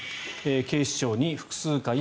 警視庁に複数回